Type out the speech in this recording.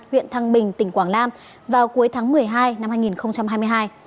huyện thăng bình tỉnh quảng nam vào cuối tháng một mươi hai năm hai nghìn hai mươi hai